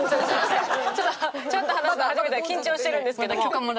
ちゃんと話すの初めてで緊張してるんですけども。